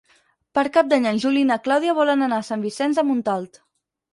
Per Cap d'Any en Juli i na Clàudia volen anar a Sant Vicenç de Montalt.